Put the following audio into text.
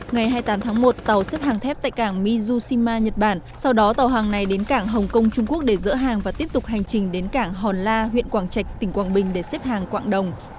ngày hai mươi tám tháng một tàu xếp hàng thép tại cảng mizushima nhật bản sau đó tàu hàng này đến cảng hồng kông trung quốc để dỡ hàng và tiếp tục hành trình đến cảng hòn la huyện quảng trạch tỉnh quảng bình để xếp hàng quảng đồng